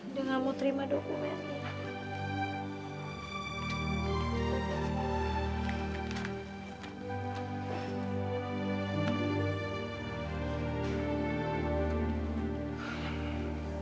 dengan mau terima dokumennya